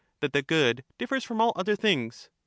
That the good differs from all other things.